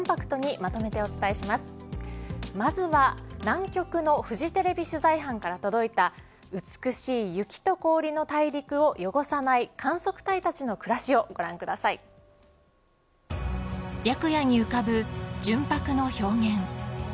まずは南極のフジテレビ取材班から届いた美しい雪と氷の大陸を汚さない観測隊たちの暮らしをご白夜に浮かぶ純白の氷原。